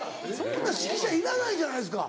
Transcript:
ほな指揮者いらないじゃないですか。